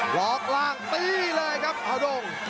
ล็อกล่างตีเลยครับขาวดง